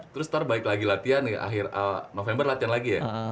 terus ntar balik lagi latihan akhir november latihan lagi ya